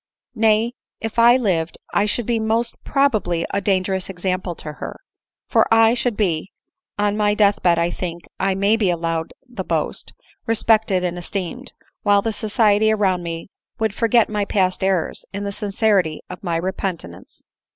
Nay, if I lived, I should be most probably a dangerous example to ber ; for I should be (on my death bed I think I may be allowed the boast) respected and esteemed ; while the society around me would forget my past errors, in the sincerity of my re pentance.